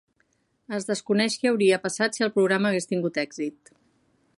Es desconeix què hauria passat si el programa hagués tingut èxit.